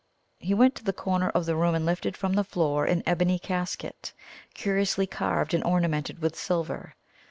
He went to a corner of the room and lifted from the floor an ebony casket, curiously carved and ornamented with silver.